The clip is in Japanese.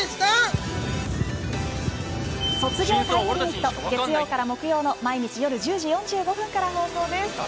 「卒業タイムリミット」月曜から木曜の毎日夜１０時４５分から放送です。